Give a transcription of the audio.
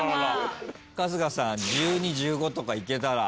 春日さん１２１５とかいけたら。